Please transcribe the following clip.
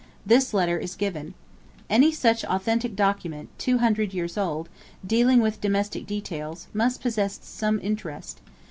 This letter is given. Any such authentic document, two hundred years old, dealing with domestic details, must possess some interest.